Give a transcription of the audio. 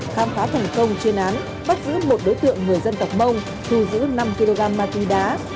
khám phá thành công chuyên án bắt giữ một đối tượng người dân tộc mông thu giữ năm kg ma túy đá